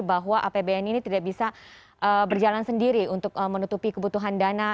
bahwa apbn ini tidak bisa berjalan sendiri untuk menutupi kebutuhan dana